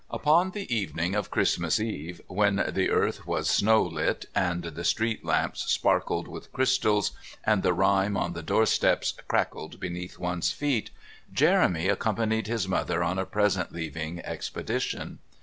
Upon the evening of Christmas Eve, when the earth was snow lit, and the street lamps sparkled with crystals, and the rime on the doorsteps crackled beneath one's feet, Jeremy accompanied his mother on a present leaving expedition.